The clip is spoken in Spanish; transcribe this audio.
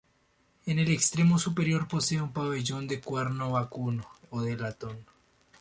En el extremo superior posee un pabellón de cuerno vacuno o de latón.